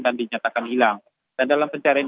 dan dinyatakan hilang dan dalam pencarian